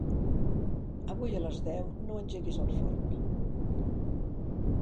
Avui a les deu no engeguis el forn.